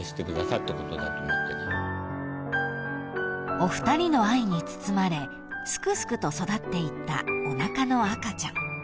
［お二人の愛に包まれすくすくと育っていったおなかの赤ちゃん］